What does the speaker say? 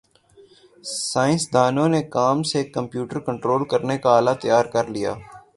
سائنسدانوں نے کام سے کمپیوٹر کنٹرول کرنے کا آلہ تیار کرلیا